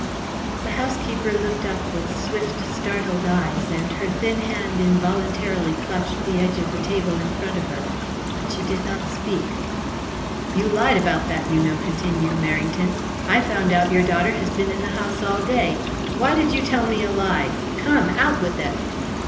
The housekeeper looked up with swift, startled eyes, and her thin hand involuntarily clutched the edge of the table in front of her, but she did not speak. "You lied about that, you know," continued Merrington. "I've found out your daughter has been in the house all day. Why did you tell me a lie? Come, out with it!"